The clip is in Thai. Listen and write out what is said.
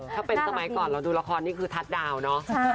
ถ้าเป็นสมัยก่อนเราดูละครนี่คือทัศน์ดาวเนอะ